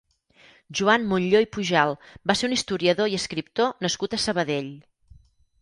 Joan Montllor i Pujal va ser un historiador i escriptor nascut a Sabadell.